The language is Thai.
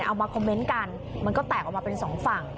เอามาคอมเมนต์กันมันก็แตกออกมาเป็นสองฝั่ง